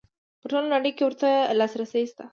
په ټوله نړۍ کې ورته لاسرسی شته.